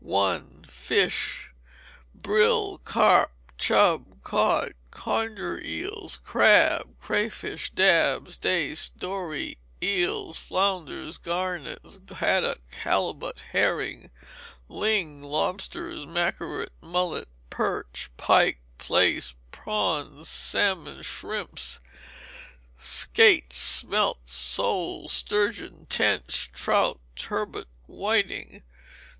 i. Fish. Brill, carp, chub, cod, conger eels, crab, cray fish, dabs, dace, dory, eels, flounders, gurnets, haddock, halibut, herring, ling, lobsters, mackerel, mullet, perch, pike, plaice, prawns, salmon, shrimps, skate, smelts, soles, sturgeon, tench, trout, turbot, whiting.